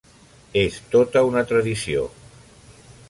És tota una tradició.